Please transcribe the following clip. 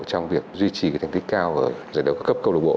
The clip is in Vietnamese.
trong việc duy trì thành tích cao ở giải đấu cấp câu lục bộ